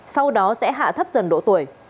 sau đó sẽ hạ thấp dần độ tuổi